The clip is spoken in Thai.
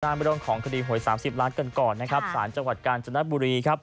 สถานบันดาลของคดีโหย๓๐ล้านกันก่อนสถานจังหวัดกาลจนัดบุรี